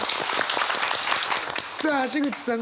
さあ橋口さん